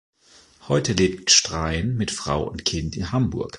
Heute lebt Gstrein mit Frau und Kind in Hamburg.